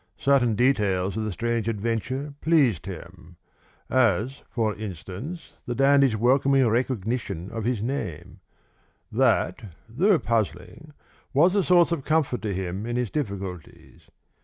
Certain details of the strange adventure pleased him as for instance the dandy's welcoming recognition of his name; that, though puzzling, was a source of comfort to him in his difficulties.